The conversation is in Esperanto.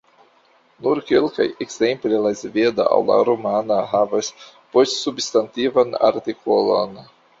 Nur kelkaj, ekzemple la sveda aŭ la rumana havas postsubstantivan artikolon.